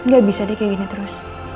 gak bisa deh kayak gini terus